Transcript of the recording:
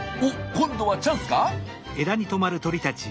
今度はチャンスか？